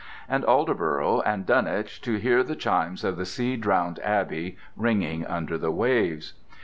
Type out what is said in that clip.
and Aldeburgh, and Dunwich, to hear the chimes of the sea drowned abbey ringing under the waves.